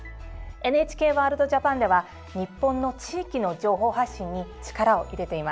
「ＮＨＫワールドＪＡＰＡＮ」では日本の地域の情報発信に力を入れています。